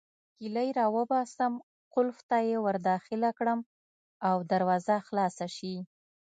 کیلۍ راوباسم، قلف ته يې ورداخله کړم او دروازه خلاصه شي.